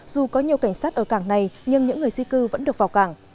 dù có nhiều cảnh sát ở cảng này nhưng những người di cư vẫn được vào cảng